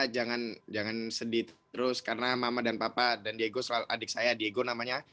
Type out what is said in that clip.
jangan sedih terus karena mama dan papa dan diego selalu adik saya diego namanya